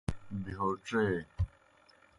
بہیو ڇے۔